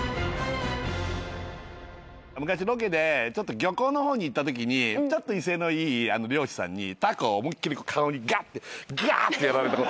昔ロケで漁港の方に行ったときにちょっと威勢のいい漁師さんにタコを思い切り顔にがーってやられたことがあって。